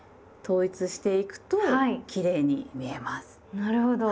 なるほど。